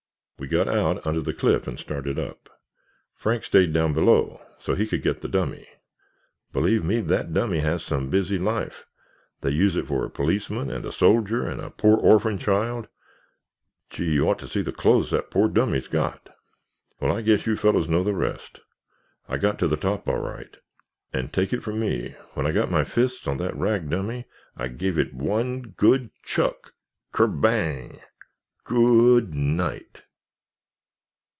We got out under the cliff and I started up. Frank stayed down below so he could get the dummy! Believe me, that dummy has some busy life! They use it for a policeman and a soldier and a poor orphan child—gee, you ought to see the clothes that poor dummy's got! "Well, I guess you fellows know the rest. I got to the top all right, and take it from me, when I got my fists on that rag dummy, I gave it one—good—chuck—ker bang! G o o d night!